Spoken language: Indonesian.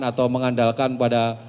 atau mengandalkan pada